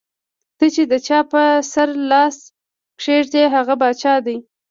ته چې د چا پۀ سر لاس کېږدې ـ هغه باچا دے ـ